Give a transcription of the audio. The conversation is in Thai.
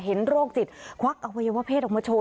โรคจิตควักอวัยวะเพศออกมาโชว